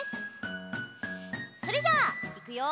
それじゃあいくよ！